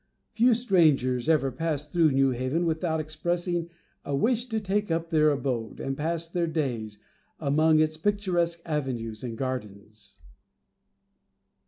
Few strangers ever pass through New Haven without expressing a wish to take up their abode, and pass their days, among its picturesque avenues and gardens.